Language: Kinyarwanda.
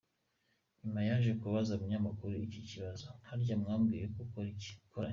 Nyuma yaje kubaza umunyamakuru iki kibazo “Harya wambwiye ko ukora he?”.